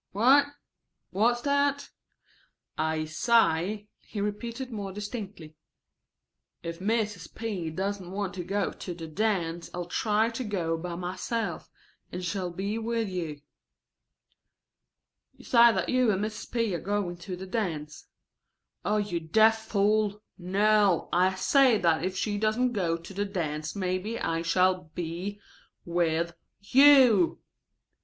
("What? What's that?") "I say," he repeated more distinctly, "if Mrs. P. doesn't want to go to the dance I'll try to go by myself and shall be with you." ("You say that you and Mrs. P. are going to the dance.") "Oh, you deaf fool! No! I say that if she doesn't go to the dance maybe I shall be with you."